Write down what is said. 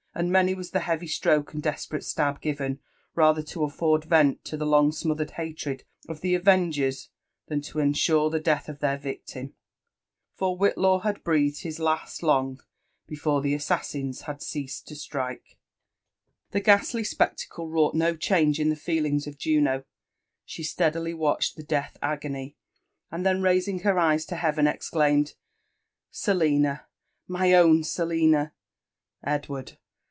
and many was the heavy stroke and desperate slab given, rather to aaord vent to the long smothered hatred of the avengers than to ensure toe death of their victim ; for Whitlaw had breathed his last long wrore the assassins had ceased to strike. The ghastly spectacle wrought no change in the feelings of Juno She steadily watched the death agony, and then raising her eyes to heaven, exclaimed, •• Selina ! my own Selina ! Edward